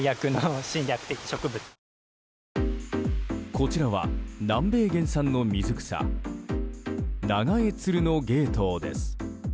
こちらは南米原産の水草ナガエツルノゲイトウです。